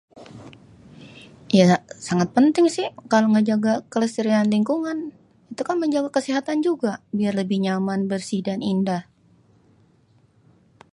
Ya, sangat penting si kalo ngejaga kelestarian lingkungan, itukan menjaga kesehatan juga biar lebih nyaman bersih dan indah.